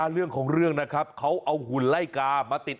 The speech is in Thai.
เรื่องของเรื่องนะครับเขาเอาหุ่นไล่กามาติด